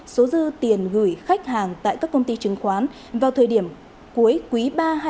số dư tiền gửi khách hàng tại các công ty chứng khoán vào thời điểm cuối quý ba hai nghìn hai mươi